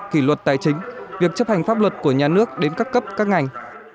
kỷ luật tài chính việc chấp hành pháp luật của nhà nước đến các cấp các ngành